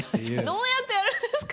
どうやってやるんですかすごい。